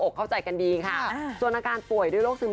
ออกงานอีเวนท์ครั้งแรกไปรับรางวัลเกี่ยวกับลูกทุ่ง